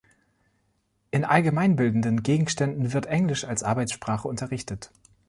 In allgemeinbildenden Gegenständen wird Englisch als Arbeitssprache unterrichtet.